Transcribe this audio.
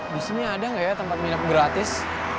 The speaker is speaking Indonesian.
di sini ada gak ya tempat minum gratis